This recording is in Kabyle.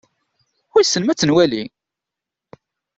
Wissen ma ad tt-nwali?